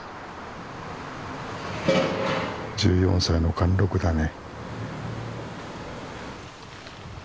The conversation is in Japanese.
１４歳の貫録だね。